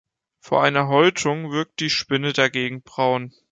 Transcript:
Vor einer Häutung wirkt die Spinne dagegen braun.